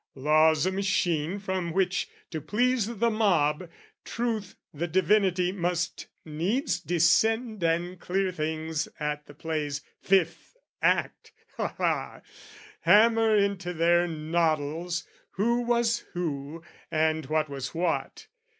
Law's a machine from which, to please the mob, Truth the divinity must needs descend And clear things at the play's fifth act aha! Hammer into their noddles who was who And what was what.